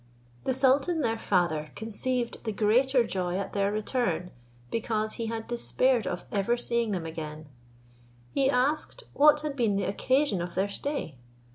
The sultan their father conceived the greater joy at their return, because he had despaired of ever seeing them again: he asked what had been the occasion of their stay?